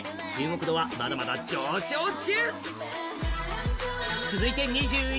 注目度はまだまだ上昇中！